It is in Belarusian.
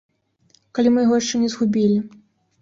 Калі мы яго яшчэ не згубілі.